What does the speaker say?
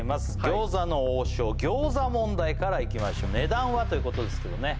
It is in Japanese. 餃子の王将餃子問題からいきましょう値段はということですけどね